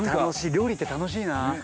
料理って楽しいな。